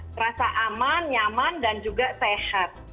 terasa aman nyaman dan juga sehat